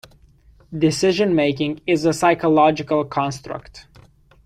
Decision-making is a psychological construct.